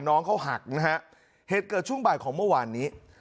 น้องเขาหักนะฮะเหตุเกิดช่วงบ่ายของเมื่อวานนี้